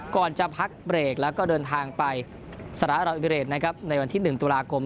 ก่อนจะพักเบรกแล้วก็เดินทางไปสหรัฐอิมิเรตนะครับในวันที่๑ตุลาคม